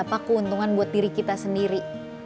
apa keuntungan buat diri kita sendiri